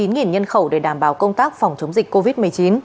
nên năm mươi chín nhân khẩu để đảm bảo công tác phòng chống dịch covid một mươi chín